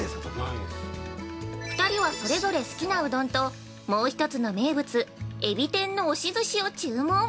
２人はそれぞれ好きなうどんと、もう一つの名物海老天の押し寿司を注文。